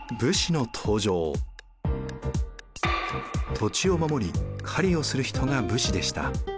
土地を守り狩りをする人が武士でした。